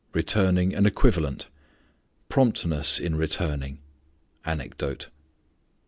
_ Returning an equivalent. _Promptness in returning, anecdote.